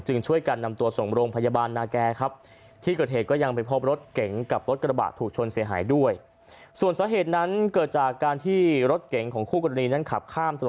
ช่วยกันนำตัวส่งโรงพยาบาลนาแก่ครับ